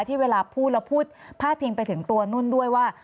ที่เวลาพูดแล้วพูดพาดพิงไปถึงตัวนุ่นด้วยว่า